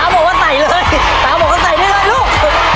บอกว่าใส่เลยตาบอกว่าใส่ได้เลยลูก